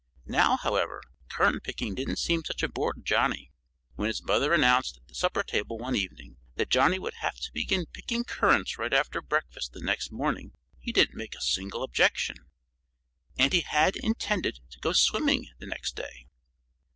Now, however, currant picking didn't seem such a bore to Johnnie. When his mother announced at the supper table one evening that Johnnie would have to begin picking currants right after breakfast the next morning he didn't make a single objection. And he had intended to go swimming the next day!